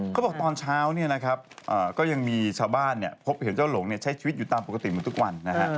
เขาบอกตอนเช้าเนี่ยนะครับก็ยังมีชาวบ้านพบเห็นเจ้าหลงใช้ชีวิตอยู่ตามปกติเหมือนทุกวันนะฮะ